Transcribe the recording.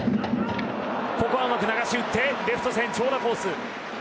ここは、うまく流し打ってレフト線長打コース。